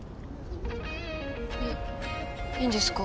えっいいんですか？